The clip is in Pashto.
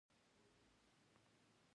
د نیمروز په چاربرجک کې څه شی شته؟